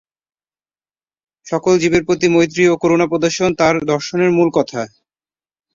সকল জীবের প্রতি মৈত্রী ও করুণা প্রদর্শন তাঁর দর্শনের মূল কথা।